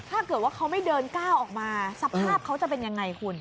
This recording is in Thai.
ถ้าเกิดว่าเขาไม่เดินก้าวออกมาสภาพเขาจะเป็นยังไงคุณ